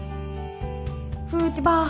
フーチバー。